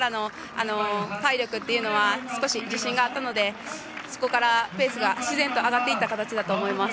後半からの体力というのは少し自信があったのでそこからペースが自然に上がったと思います。